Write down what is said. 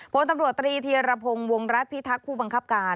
พลตำรวจตรีธีรพงศ์วงรัฐพิทักษ์ผู้บังคับการ